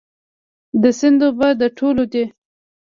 د سیند اوبه د ټولو دي؟